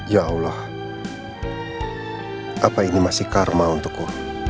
ya allah apa ini masih karma untukku